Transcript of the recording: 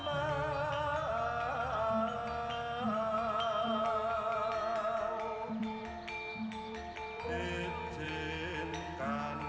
yang berbaru men contract vibe nu